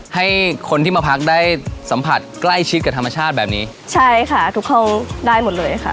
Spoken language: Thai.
ให้คนที่มาพักได้สัมผัสใกล้ชิดกับธรรมชาติแบบนี้ใช่ค่ะทุกห้องได้หมดเลยค่ะ